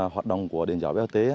hoạt động của đền giáo bot